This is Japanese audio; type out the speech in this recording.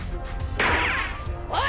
おい！